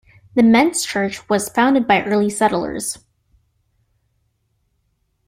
The Mentz Church was founded by early settlers.